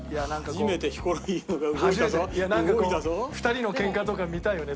なんか２人のけんかとか見たいよね。